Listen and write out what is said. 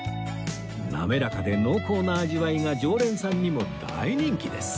滑らかで濃厚な味わいが常連さんにも大人気です